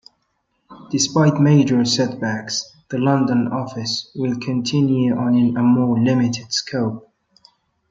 Despite major setbacks, the London office will continue on in a more limited scope.